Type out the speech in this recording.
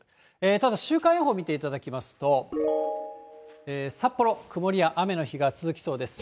ただ週間予報見ていただきますと、札幌、曇りや雨の日が続きそうです。